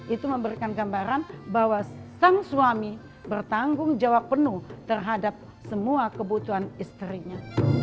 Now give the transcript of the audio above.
itu memberikan gambaran bahwa sang suami bertanggung jawab penuh terhadap semua kebutuhan istrinya